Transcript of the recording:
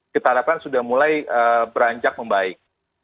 kita harapkan sudah mulai beranjak membaik